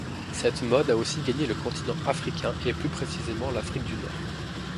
Cette mode a aussi gagné le continent africain, et plus précisément l'Afrique du nord.